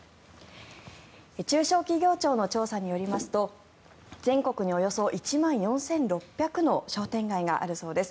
中小企業庁の調査によりますと全国におよそ１万４６００の商店街があるそうです。